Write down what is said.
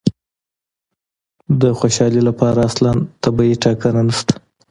د خوشالي لپاره اصلاً طبیعي ټاکنه نشته.